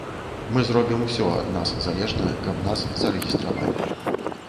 Мы зробім усё ад нас залежнае, каб нас зарэгістравалі.